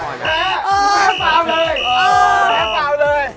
แม่แม่ฝาวเลยแม่ฝาวเลย